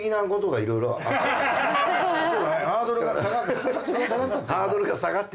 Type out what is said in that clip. そうだねハードルが下がって。